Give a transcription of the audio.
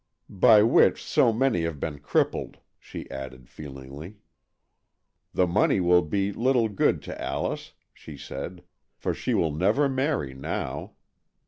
" By which so many have been crippled," she added feelingly. '' The money will be little good to Alice," she said, " for she will never marry now.